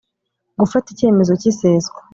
Gufata icyemezo cy’ iseswa